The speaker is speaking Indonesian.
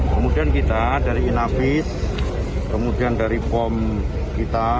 kemudian kita dari inavis kemudian dari pom kita